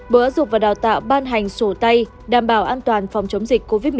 bộ giáo dục và đào tạo ban hành sổ tay đảm bảo an toàn phòng chống dịch covid một mươi chín